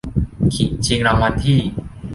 ชิงรางวัลที่